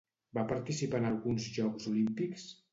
Va participar en alguns Jocs Olímpics?